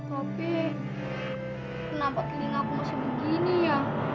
topi kenapa kelingaku masih begini ya